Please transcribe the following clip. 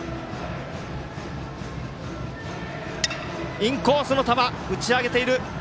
インコースの球打ち上げている！